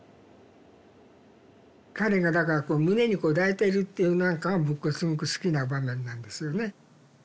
彼がだからこう胸にこう抱いてるっていうのなんかは僕はすごく好きな場面なんですよね。